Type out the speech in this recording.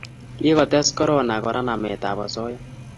Kikotes korona Kora nametab osoya